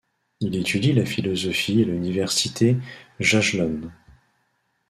Il étudie la philosophie à l’Université jagellonne.